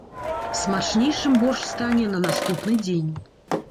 Смачнейшым боршч стане на наступны дзень.